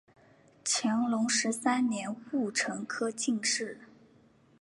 乾隆十三年戊辰科进士。